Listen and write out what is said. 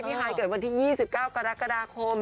ฮายเกิดวันที่๒๙กรกฎาคม